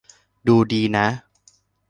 ดูดีนะ